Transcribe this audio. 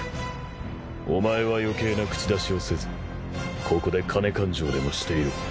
お前は余計な口出しをせずここで金勘定でもしていろ。